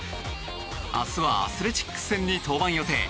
明日はアスレチックス戦に登板予定。